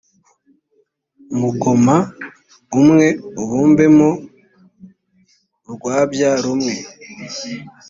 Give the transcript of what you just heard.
mugoma umwe abumbemo urwabya rumwe